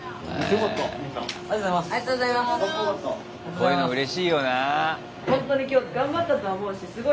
こういうのうれしいよな。